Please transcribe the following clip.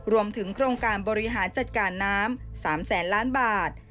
รวมถึงโครงการบริหารจัดการน้ำ๓แสนล้านบาท